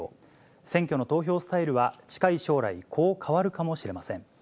選挙の投票スタイルは、近い将来、こう変わるかもしれません。